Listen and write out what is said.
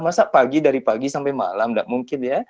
masa pagi dari pagi sampai malam tidak mungkin ya